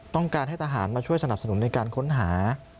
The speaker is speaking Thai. ต้องการให้ทหารมาช่วยสนับสนุนในการค้นหา